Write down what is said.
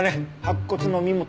白骨の身元